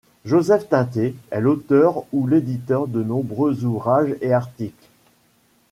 Joseph Tainter est l’auteur ou l’éditeur de nombreux ouvrages et articles.